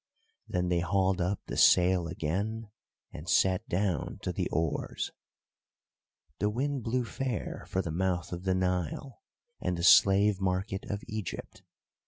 Then they hauled up the sail again and sat down to the oars. The wind blew fair for the mouth of the Nile and the slave market of Egypt.